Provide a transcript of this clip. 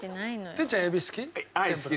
哲ちゃんエビ好き？